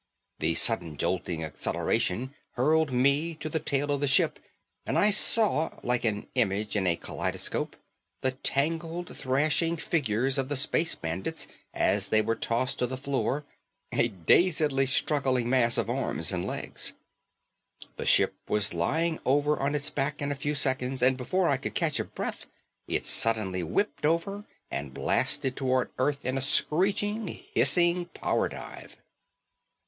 The sudden jolting acceleration hurled me to the tail of the ship and I saw, like an image in a kaleidoscope, the tangled thrashing figures of the space bandits as they were tossed to the floor, a dazedly struggling mass of arms and legs. The ship was lying over on its back in a few seconds, and before I could catch a breath it suddenly whipped over and blasted toward Earth in a screeching, hissing power dive.